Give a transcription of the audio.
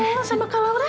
hmm sama kak laura